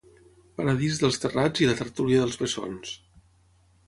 Paradís dels Terrats i la Tertúlia dels Bessons.